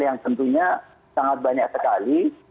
yang tentunya sangat banyak sekali